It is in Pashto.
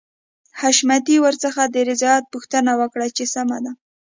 حشمتي ورڅخه د رضايت پوښتنه وکړه چې سمه ده.